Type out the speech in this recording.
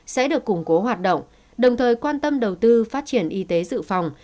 sẽ được củng cố hoạt động đồng thời quan tâm đầu tư phát triển y tế dự phòng